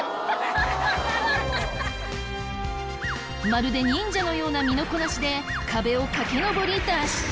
まるで忍者のような身のこなしで壁を駆け上り脱出！